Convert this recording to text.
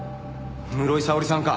室井沙織さんか！